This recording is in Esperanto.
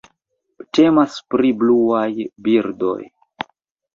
Temas pri bluaj birdoj.